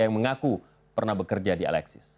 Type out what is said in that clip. yang mengaku pernah bekerja di alexis